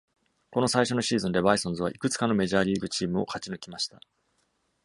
この最初のシーズンで、バイソンズはいくつかのメジャーリーグチームを勝ち抜きました。